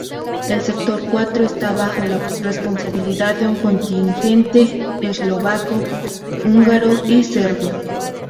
El Sector Cuatro está bajo la responsabilidad de un contingente eslovaco, húngaro y serbio.